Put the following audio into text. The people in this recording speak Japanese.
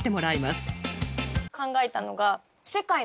考えたのが。